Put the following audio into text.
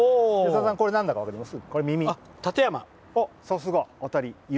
さださん、これなんだか分かります？